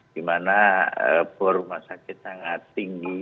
di mana bor rumah sakit sangat tinggi